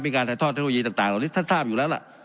มีการถ่ายทอดเทคโนโลยีต่างเหล่านี้ท่านทราบอยู่แล้วล่ะ